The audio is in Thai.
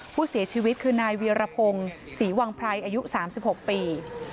ผู้เสียชีวิตคือนายเวียรพงศ์ศรีวังไพรอายุ๓๖ปี